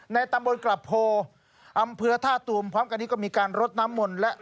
ตำบลกลับโพอำเภอท่าตูมพร้อมกันนี้ก็มีการรดน้ำมนต์และ